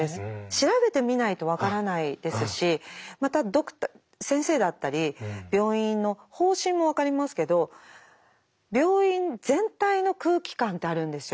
調べてみないと分からないですしまた先生だったり病院の方針も分かりますけど病院全体の空気感ってあるんですよ。